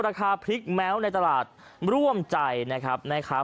ราคาพริกแม้วในตลาดร่วมใจนะครับนะครับ